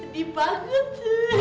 gue sedih banget